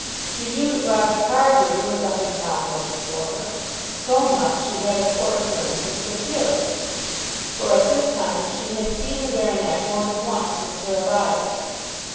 She knew that Roger Carbury was up in town looking for her. So much she had of course learned from Sir Felix, for at this time she had seen the baronet more than once since her arrival.